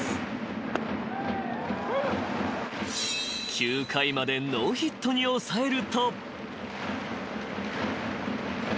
［九回までノーヒットに抑えると］